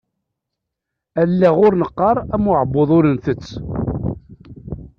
Allaɣ ur neqqar, am uεebbuḍ ur ntett.